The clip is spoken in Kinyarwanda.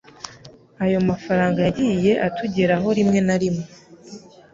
Ayo mafaranga yagiye atugeraho rimwe na rimwe.